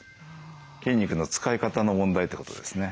筋肉の使い方の問題ってことですね。